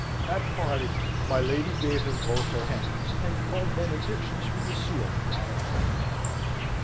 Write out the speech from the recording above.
At parting, my lady gave him both her hands, and called benedictions from the ceiling down upon him.